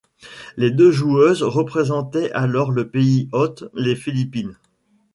Les deux joueuses représentaient alors le pays hôte, les Philippines.